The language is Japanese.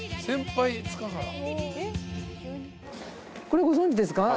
これご存じですか？